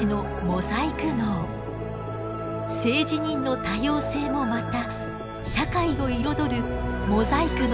性自認の多様性もまた社会を彩るモザイクの一部なのです。